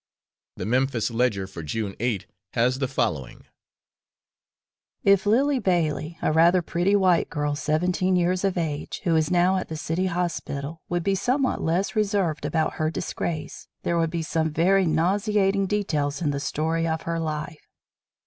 The Memphis Ledger for June 8 has the following: If Lillie Bailey, a rather pretty white girl seventeen years of age, who is now at the City Hospital, would be somewhat less reserved about her disgrace there would be some very nauseating details in the story of her life.